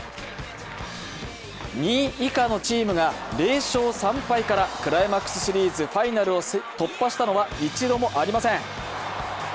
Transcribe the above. ２位以下のチームが０勝３敗からクライマックスシリーズファイナルを突破したのは一度もありません。